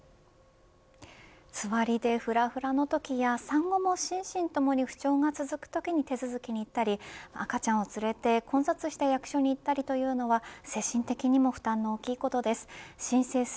つわりでふらふらのときや産後も心身ともに不調が続くときに手続きに行ったり赤ちゃんを連れて混雑した役所に行ったりというのは精神的にも負担の大きいことです。